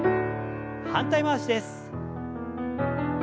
反対回しです。